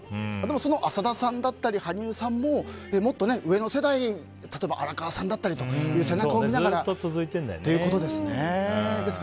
浅田さんだったり羽生さんももっと上の世代例えば、荒川さんだったりの背中を見ながらということですね。